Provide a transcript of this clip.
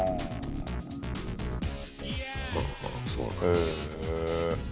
へえ。